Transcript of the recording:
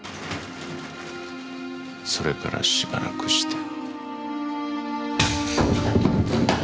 それからしばらくして。